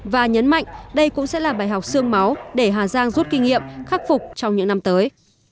và nhấn mạnh đây cũng sẽ là bài học sương máu để hà giang rút kinh nghiệm khắc phục trong những năm tới